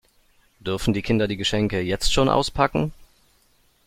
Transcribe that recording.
Dürfen die Kinder die Geschenke jetzt schon auspacken?